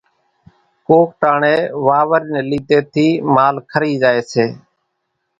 ڪوڪ ٽاڻيَ واورِ نيَ ليڌيَ ٿِي مال کرِي زائيَ سي۔